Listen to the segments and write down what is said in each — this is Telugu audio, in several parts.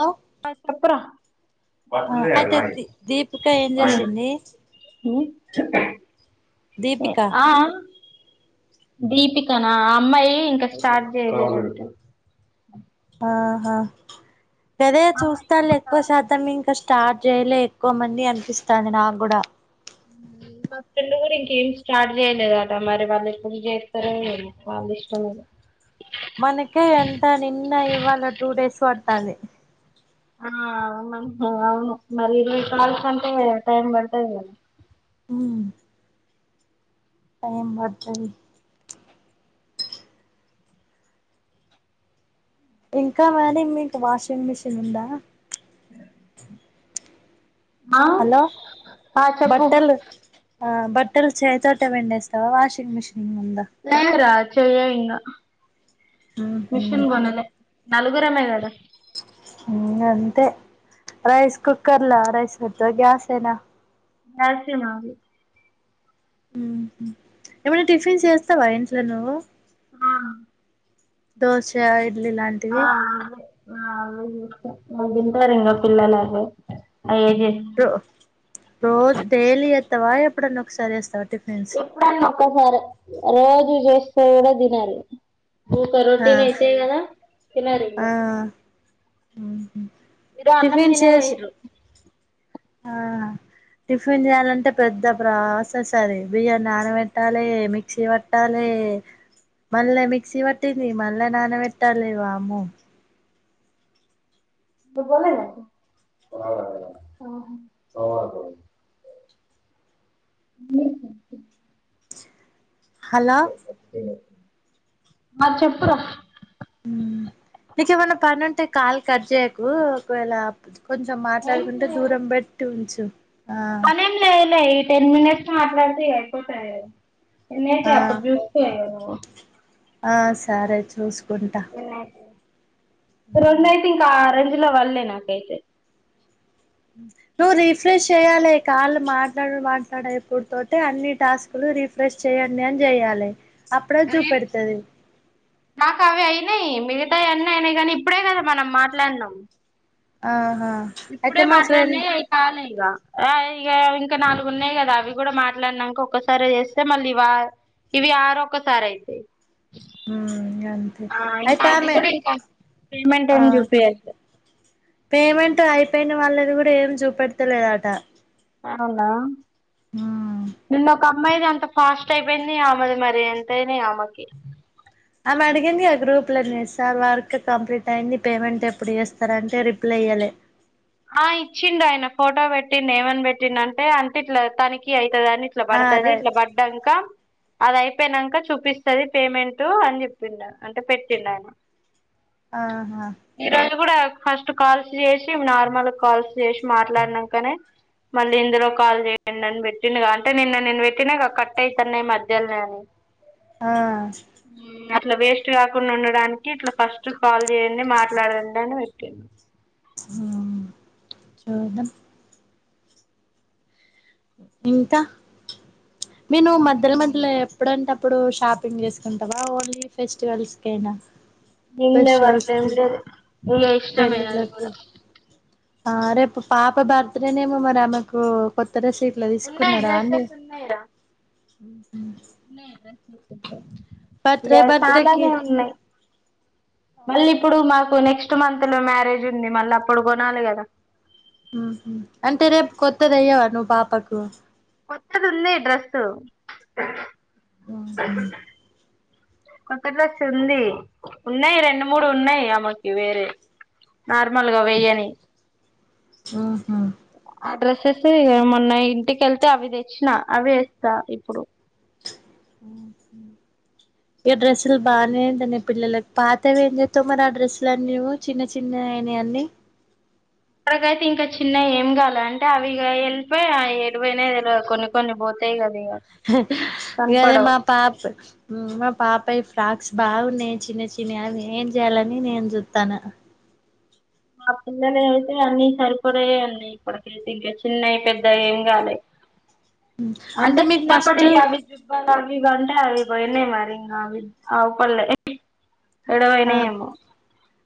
హలో ఆ చెప్పురా అయితే బట్టలేన్నాయి దీ దీపిక ఏం చేసింది ఆ దీపిక ఆమ్ దీపికన ఆ అమ్మాయి ఇంకా స్టార్ట్ చేయలెదట. ఆహా గదే చూస్తాలే ఎక్కువ శాతం ఇంక ష్ స్టార్ట్ చేయలే ఎక్కువ మంది అనిపిస్తాంది నాగుడ మా ఫ్రెండ్ కూడా ఇంకేం స్టార్ట్ చేయలేదట మరి వాళ్ళు ఎప్పుడు చేస్తరో ఏమో వాళ్ళ ఇష్టం అది. మనకే ఎంత నిన్న ఇవాళ్ళ టూ డేస్ పడతాంది. ఆ మనకి ఇంగ అవును, మరి ఇరవై కాల్స్ కంటే టైం పడతది కదా. ఆ టైం మర్జది ఇంకా మరి మీకు వాషింగ్ మిషిన్ ఉందా? ఆ హలో ఆ చెప్పు బట్టలు ఆ బట్టలు చెయ్ తోటే పిండేస్తవా, వాషింగ్ మిషిన్ ఉందా లేరా చెయ్యే ఇంగ మిషన్ కొనలే నలుగురమే గద ఇంగ అంతే రైస్ కుక్కర్లా రైస్ పెడతవ గ్యాసేనా [unintelligible] ఏమన్నా టిఫిన్స్ చేస్తవా ఇంట్ల నువ్వు? ఆ దోశ ఇ ఆ అదే అదే తింటరింగ పిల్లలదే రో రోజు డైలీ చెత్తవా ఎప్పుడన్న ఒకసారి చేస్తవా? ఎప్పుడన్న ఒకసారే, రోజు చేస్తే కూడా తినరు. ఊకా ఆ రోటీన్ అయితయ్ కదా తినరు ఇగ ఆ ఉహు ఇగ అన్నం టిఫిన్ దినే చేసి పోయిర్రు ఆ టిఫిన్ చేయాలంటే పెద్ద ప్రాసెస్ అది, బియ్యన్ని నానబెట్టాలె, మిక్సీ పెట్టాలె. టె మళ్ళ మిక్సీ వట్టింది, మళ్ళ నాన్న బెట్టాలె వామ్మో. నువ్వు పోలే మీ హలో ఆ చెప్పుర నీకేమన్న పని ఉంటే కాలు కట్ చేయకు ఒకవేళ కొంచెం మాట్లాడుకుంటే దూరం బట్ ఉంచు ఆ అనే ఏం లేలే ఈ టెన్ మినిట్స్ మాట్లాడితే ఇగ అయిపోతది. ఆ [unintelligible] ఆ సరే చూసుకుంట. రెండయితింక ఆరెంజ్ ల వళ్లే నాకైతే నువ్వు రిఫ్రెష్ చెయాలె, కాళ్ళు మాట్లాడు మాట్లాడయిపోవుడు తోటే అన్ని టాస్కులు రీఫ్రెష్ చేయండి అని జేయాలె అప్పుడే జూపెడతది. మాకు అవి అయినయి మిగతాయి అన్నీ అయినయి గానీ, ఇప్పుడే గద మనం మాట్లాడినం. ఆ ఇప్పుడే మాట్లాడినయి అయి కాలె ఇగ ఆ ఇగ ఇంకా నాలుగు ఉన్నయ్ కదా అవి కూడా మాట్లాడినంక ఒక్కసారే చేస్తే మళ్ళీ వా ఇవి ఆరక్కసారయితయి మ్మ్ అంతే అయితే ఆమె పేమెంట్ ఆ ఏం జూపియట్లే పేమెంట్ అయిపోయిన వాళ్ళది గుడ ఏం జూపెడతలేదట. అవునా నిన్న ఒక అమ్మాయిది అంత ఫాస్ట్ అయిపోయింది, ఆమెది మరి ఎంతయినయో మరి ఆమెకి అవి అడిగింది ఆ గ్రూప్ లనే సార్ వర్క్ కంప్లీట్ అయింది, పేమెంట్ ఎప్పుడు చేస్తరంటే రిప్లై ఇయ్యలే ఆ ఇచ్చిండు ఆయన ఫోటో పెట్టిండు, ఏమని పెట్టింది అంటే అంటే ఇట్లా తనకి అయి తదని ఇట్లా ఆ పడతది ఇట్లా రైట్ పడ్డాంకా అది అయిపోయినాక చూపిస్తది పేమెంట్ అని చూపిస్తాది అంటే పెట్టిండు ఆయన ఆహా ఈ రోజు కూడా ఫస్ట్ కాల్స్ చేసి నార్మల్ కాల్స్ చేసి మాట్లాడినాకనే మళ్ళీ ఇందులో కాల్ చేయండి ఆని పెట్టిన అంటే నిన్న నేను పెట్టినాక కట్ అఇతున్నాయి ఈ మధ్యలోనే అని ఆ అట్లా వేస్ట్ కాకుండా ఉండడానికి ఇట్లా ఫస్ట్ కాల్ చేయండి మాట్లాడండి అని పెట్టిడు ఉ చూద్దాం ఇంకా నేను మధ్యల మధ్యలో ఎప్పుడంట ఆప్పుడు షాపింగ్ చేసుకుంటావా ఓన్లీ ఫెస్టివల్స్ కైనా నిన్నే అట్లెం లేదు నీ ఇష్టమే అది పెళ్ళిళ్ళకి కూడా ఆ రేపు పాప బర్త్డేనేమో మరి ఆమెకు కొ త్త డ్రెస్ [unintelligible] ఉన్నాయి తీసుకున్నారా ఆండీ డ్రెస్సెస్ బర్త్డే ఏ బర్త్డేకి చాలానే ఉన్నాయి మళ్ళీ ఇప్పుడు మాకు నెక్స్ట్ మంత్ లో మ్యారేజ్ ఉంది మళ్ళీ అప్పుడు కొనాలి కదా ఊహు అంటే రేపు కొత్తది ఏయ్యవా నువ్వు పాపకు కొత్తది ఉంది డ్రెస్సు ఆహా కొత్త డ్రెస్ ఉంది ఉన్నాయి రెండు మూడు ఉన్నాయి ఆమకి వేరే నార్మల్ గా వెయ్యని ఉహు ఆ డ్రెస్సెస్ మొన్న ఇంటికి వెళ్తే అవి తెచ్చినా అవి వేస్తా ఇప్పుడు ఉహు ఇక డ్రెస్సులు బాగానేందని పిల్లలకి పాతవి ఏం చేస్తావు మరి ఆ డ్రెస్సులు అన్నీ చిన్న చిన్న అయిన అన్నీ అక్కరకైతే ఇంకా చిన్న ఏం కాల అంటే అవి ఇగ వెళ్ళిపోయి ఎటు పోయినయి తెలియ కొన్ని కొన్ని పోతాయి కదా ఇగ గదే కనపడవు మా పాప మా పాపయి ఫ్రాక్స్ బాగున్నాయి చిన్న చిన్న అవి ఏం చేయాలని నేను చూతాన మా పిల్లలు అయితే అన్నీ సరిపడా ఉన్నాయి ఇప్పటికైతే ఇంకా చిన్నవి పెద్దవి ఏం కాలే [inaudible] అంటే మీకు చిన్నప్పుటి ఫస్ట్ అవి జుబ్బాలవి వి అంట అవి పోయినాయి మరి అవి అవుపలే ఆ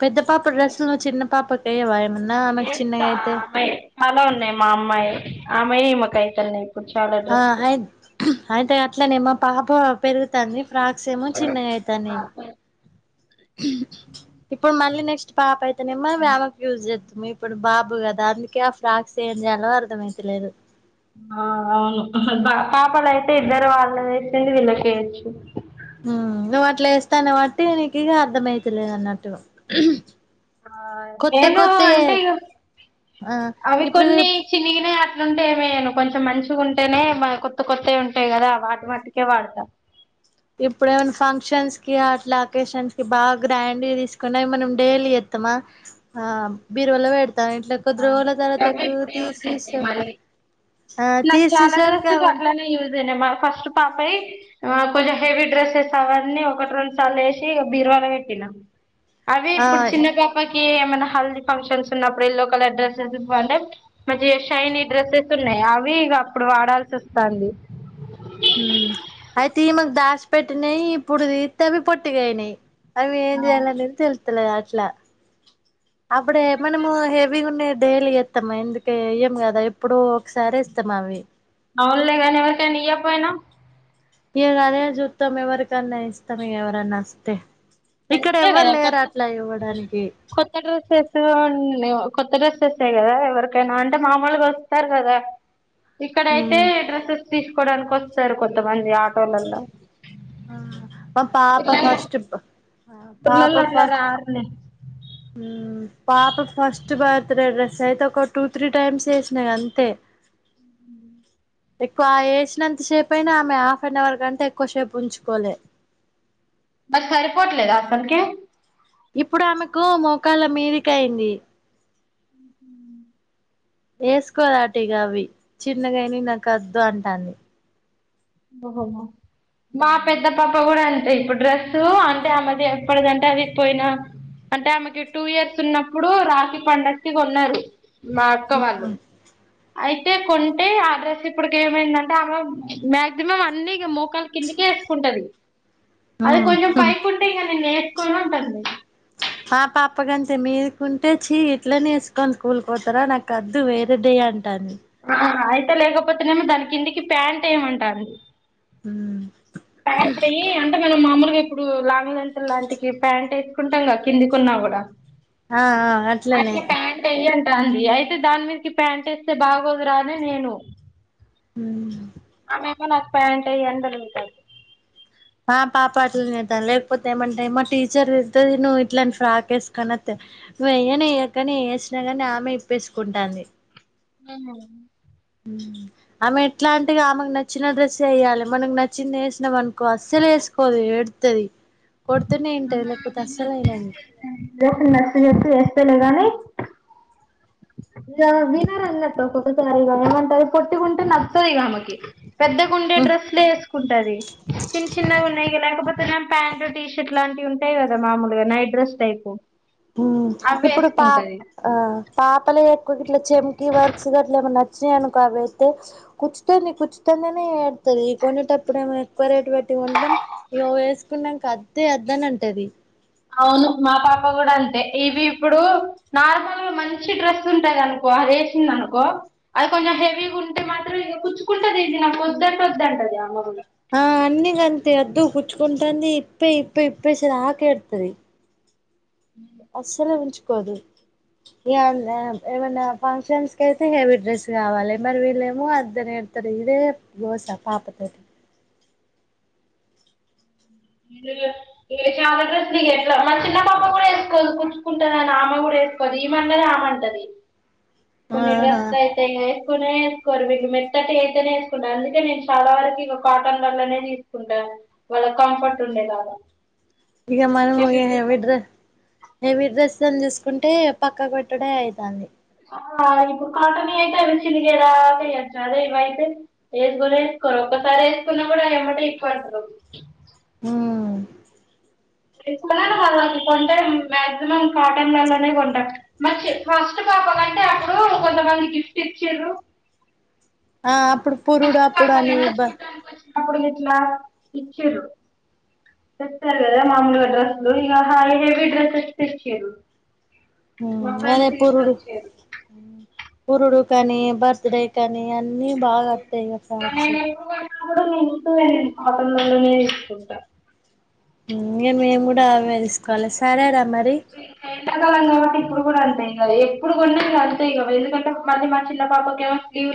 పెద్ద పాప డ్రెస్సులు చిన్న పాప అయ్యావా ఏమన్నా న్నా అమేకు ఏస్తా చిన్నగా అయితే ఆమె చాలా ఉన్నాయి మా అమ్మాయి ఆమవే ఈమెకుఅయితలేదు ఆ అయి అయితే అట్లనే మా పాప పెరుగుతంది ఫ్రాక్స్ ఏమో చిన్నగా అయితనయి ఇప్పుడు మళ్ళీ నెక్స్ట్ పాప అయితేనేమ్మో ఆమెకు యూజ్ చేస్తాము ఇప్పుడు బాబు కదా అందుకే ఆ ఫ్రాక్స్ ఏం జేయాలో అర్థమయితలేదు ఆ అవును పాపలు అయితే ఇద్దరూ వాళ్ళ వేసింది వీళ్ళకెయొచ్చు హు నువు అట్లే వేస్తానే బట్టి నీకు ఇక అర్థమవుతలేదన్నట్టు ఆ నేను అంటే ఆ అవి ఇప్పుడు కొన్ని చిన్నిగిన లుంటే ఏమేను కొంచెం మంచిగా ఉంటేనే కొత్త కొత్తవి ఉంటాయి కదా వాటి మట్టుకే వాడతా [inaudible] ఇప్పుడ ఏమైనా ఫంక్షన్స్ కి అట్లా అకేషన్స్ కి బాగా గ్రాండ్ తీసుకున్నా మనం డైలీ ఎత్తామా ఆ బిరువలో వెడతా ఇంట్లో కొద్ది రోజులో తర్వాతా అవి ఇప్పుడు యూజ్ తీసి అయితాయి మళ్ళీ ఆ నాకు చాలా తీసేసరికి డ్రస్సులు అవ అట్లనే యూజ అయినాయి మా ఫస్ట్ పాపయి ఆ కొంచెం హెవీ డ్రెస్సెస్ అవన్నీ ఒకటి రెండు సార్ వేసి బీరువాల పెట్టినా అవి ఆ ఇప్పుడు చిన్న పాపకి ఏమైనా హల్దీ ఫంక్షన్స్ ఉన్నప్పుడు ఎల్లో కలర్ డ్రెస్సెస్ అంటే మంచిగా షైనీ డ్రెస్సెస్ ఉన్నాయి అవి అప్పుడు వాడాల్సి వస్తుంది ఇం అయితే ఈమకు దాసి పెట్టినాయి ఇప్పుడు తీతవి పొట్టుగయినాయి అవి ఏం చేయాలని తెలితట్లేదు అట్లా అప్పుడే మనము హెవీగా ఉన్నా డైలీ ఇస్తాము ఎందుకే ఇం కదా ఎప్పుడో ఒకసారి ఇస్తాము అవి అవునులే కానీ ఎవరికైనా ఇయ్యపోయినా ఈడ అదే చూస్తాం ఎవరికన్నా ఇస్తము ఎవరన్నాస్తే అంటే అన్ని కొత్త కొత్త డ్రెస్ ఎసు కొత్త డ్రెస్ తెస్తే కదా ఎవరికైనా అంటే మామూలుగా వస్తారు కదా ఇక్కడయితే హ్మ్ డ్రెస్సెస్ తీసుకోడానికి వస్తారు కొంతమంది. ఆడ ఆ మా పాప ఫస్ట్ బ పాప ఊర్లల్లో అట్లా ఫస్ట్ రారులే ఎం హమ్ పాప ఫస్ట్ బర్త్ డే డ్రెస్ అయితే ఒక టూ త్రీ టైమ్స్ వేసినాయి అంతే ఎక్కువ వేసినంత షేప్ అయినా ఆమె హాఫ్ అన్ అవర్ గంటా ఎక్కువ షేప్ ఉంచుకోలే మరి సరిపోట్లేద అసలకి ఇప్పుడు ఆమెకు మోకాళ్ళ మీదిక అయింది ఏసుకోదాటి గావ అవి చిన్నగానా నాకు వద్దు అంటాంది ఓహో మో మా పెద్ద పాప ఇప్పుడు కూడా అంతే ఇప్పుడు డ్రెస్సు అంటే ఆ మాది ఎక్కడదంటే అది పోయినా అంటే ఆమెకి టూ ఇయర్స్ ఉన్నప్పుడు రాఖీ పండగ కి కొన్నారు మా అక్కవాళ్ళు అయితే కొంటే ఆ డ్రెస్ ఇప్పుటికి ఏమైందంటే ఆమె మే మం అన్ని మోకాల కిందికే వేసుకుంటది అది కొంచెం పైకుంటే ఇంకా నేను వేసుకోను అంటుంది మా పాప గంతే మీదికుంటే చీ ఇట్లనే వేసుకొని స్కూల్ పోతారా నాకు కద్దు వేరేడే అం టని అయితే లేకపోతేనేమో దాని కిందికి ప్యాంట్ ఏమంటంది ఉమ్ ప్యాంటీ అంటే మనం మామూలుగా ఇప్పుడు లాంగదంటలు లాంటికి ప్యాంట్ వేసుకుంటాం క కిందికున్నా కూడా ఆ ఆ అట్లనే అట్లే ఫాంట్ అయ్యి అంట అంది అయితే దాని మీదకి ప్యాంట్ ఇస్తే బాగోదురా అని నేను ఉమ్ అమ్మా నాకు ప్యాంట అని అలుగుతాది ఆ పాపాటలునేదా లేకపోతే ఏమంటా మా టీచర్ వెళ్తే నువ్వు ఇట్లని ఫ్రాకసుకుని వస్త నువ వెయ్యనే వెయ్యకని వేేసినా కాని ఆమె ఇప్పేసుకుంటాంది అ [unintelligible] ఉమ్ ఆమె ఎట్లాంటిది ఆమెకు నచ్చిన డ్రెస్ వయ్యాలి మనకు నచ్చింది వేసినా అనుకో అస్సలే వేసుకోదు కొడుతది కొడుతనే ఇంటది లేకపోతే అస్సలు వినదు డ్రెస్సులు నచ్చ చెప్పి వినారణట ఒక్కొక్క సారిగా ఏమంట పొట్టి గుంటే నచ్చదు ఇంకా ఆమెకి పెద్దగా ఉండే డ్రెస్సులే వేసుకుంటది చిన్న చిన్నగా ఉన్నాయి లేకపోతే ప్యాంట్ టీషర్ట్ లాంటివి ఉంటాయి కదా మామూలుగా నైట్ డ్రెస్ టైపు అవి ఇప్పుడు పా వేసుకుంటది ఆ పాపలే ఎక్కువగా ఇట్లా చెమ్కీ వర్క్స్ గా అట్లేమన నచ్చినయి అనుకో అవి అయితే కుచ్చుతుంది కుచ్చుతుంది అని ఏడుత్తది ఇవి కొనేటప్పుడు ఏమో ఎక్కువ రేట్లు పెట్టి కొంటాం ఇగో వేసుకున్నాక అద్దే అద్దని అంటది అవును మా పాప కూడా అంతే ఇవి ఇప్పుడు నార్మల్ గా మంచి డ్రెస్ ఉంటాదనుకో అది వేసింది అనుకో అది కొంచెం హెవీగా ఉంటే మాత్రం ఇక కుచ్చుకుంటది ఇది నాకు వద్దంటే వద్దంటది ఆమె ఆ అన్నీ ఇగ అంతే అద్దు గుచ్చుకుంటుంది ఇప్పేయ్ ఇప్పేయ్ ఇప్పేసేదాక ఏడుత్తది అస్సలు ఉంచుకోదు ఇ ఏమైనా ఫంక్షన్స్ కి అయితే హెవీ డ్రెస్ కావాలి మరి వీళ్ళేమో అద్దని ఏడు స్తారు ఇగ ఇదే గోస పాపతోటి ఇగ చాలా డ్రెస్లు ఎట్లా మా చిన్నపాప కూడా వేసుకోదు గుచ్చుకుంటదని ఆమె కూడా కొది ఈమంటది ఆమంటది కొన్ని ఆహా డ్రెస్లు అయితే వేసుకోనే వేసుకోరు వీళ్ళు మెత్తటివి అయితేనేే వేసుకుంటారు అందుకే నేను చాలా వరకు ఇక కాటన్లలోనే తీసుకుంటా వాళ్ళకి కంఫర్ట్ ఉండేలాగా ఇక మనము హెవీ డ్రెస్ హెవీ డ్రెస్ అని తీసుకో కుంటే పక్కకి పెట్టుడే అయితాంది ఆ ఇప్పుడు కాటనియి అయితే అవి చిరిగే దాక వెయ్యొచ్చు అదే ఇవి అయితే వేసుకొనే వేసుకోరు ఒకసారి వేసుకున్నా కూడా అవి ఎమ్మటే ఇప్పమంటారు ఉమ్ ఎప్పుడన్నా [unintelligible] కొంటం మాక్సిమం కాటన్లలోనే కొంట మంచి ఫస్ట్ పాప కంటే అప్పుడు కొంతమంది గిఫ్ట్ ఇచ్చిన్రు ఆ అప్పుడు పురుడు ఫస్ట్ పాప అప్పుడు అని కదా బ చూడడానికి వచ్చినప్పుడు గిట్ల ఇచ్చిరు తెస్తారు గదా మామూలుగా డ్రెస్లు ఇగ హెవీ డ్రెసెస్ తెచ్చిర్రు మా ఉమ్ అదే ఫ్రెండ్స్ పురుడు తీసుకొచ్చిర్రు పురుడు కని బర్త్ డే కని అన్నీ బాగా వత్తాయిగా ఫ్రాక్స్ [unintelligible] పాటలలోనే ఇసుక్కుంటా ఇగ మేము కూడా అవే తీసుకోవాలి సరేరా మరి [unintelligible] కాలం కాబట్టి ఇప్పుడు కూడా అంతే ఏం కాదు ఎప్పుడు కొన్నా అంతే్ ఇగ ఎందుకంటే మళ్ళీ మా చిన్న పాపకు ఏమో స్లీవ్ లు